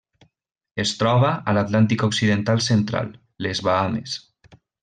Es troba a l'Atlàntic occidental central: les Bahames.